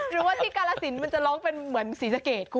หรือว่าที่กาลสินมันจะร้องเป็นเหมือนศรีสะเกดคุณ